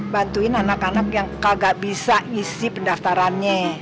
bantuin anak anak yang kagak bisa isi pendaftarannya